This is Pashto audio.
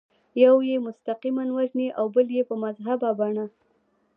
یو یې مستقیماً وژني او بل یې په مهذبه بڼه.